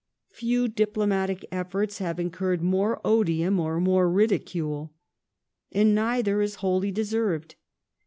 Few diplomatic efforts have in curred more odium or more ridicule. And neither is wholly deserved.